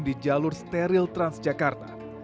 di jalur steril transjakarta